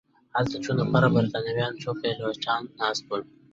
هلته څو نفره بریتانویان او څو پیلوټان ناست ول.